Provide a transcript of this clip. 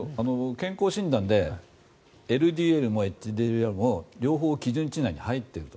健康診断でＬＤＬもＨＤＬも両方基準値内に入っていると。